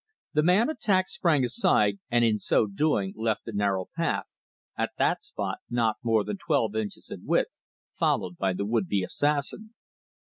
The man attacked sprang aside and in so doing left the narrow path, at that spot not more than twelve inches in width, followed by the would be assassin.